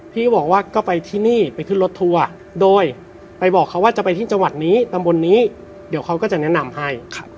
พี่ก็บอกว่าก็ไปที่นี่ไปขึ้นรถทัวร์โดยไปบอกเขาว่าจะไปที่จังหวัดนี้ตำบลนี้เดี๋ยวเขาก็จะแนะนำให้